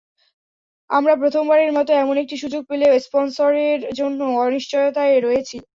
আমরা প্রথমবারের মতো এমন একটি সুযোগ পেলেও স্পনসরের জন্য অনিশ্চয়তায় রয়েছি।